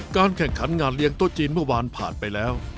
การแข่งขันงานเลี้ยโต๊ะจีนเมื่อวานผ่านไปแล้ว